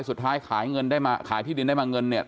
ขายเงินได้มาขายที่ดินได้มาเงินเนี่ย